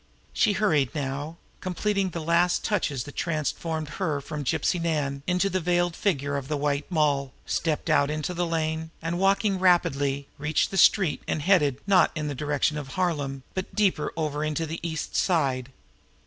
She hurried now, completing the last touches that transformed her from Gypsy Nan into the veiled figure of the White Moll, stepped out into the lane, and walking rapidly, reached the street and headed, not in the direction of Harlem, but deeper over into the East Side.